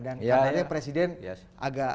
dan adanya presiden agak